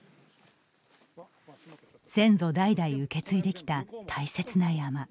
先祖代々受け継いできた大切な山。